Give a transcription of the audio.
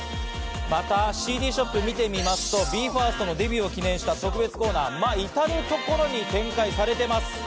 またＣＤショップ見てみますとＢＥ：ＦＩＲＳＴのデビューを記念した特別コーナー、いたるところに展開されています。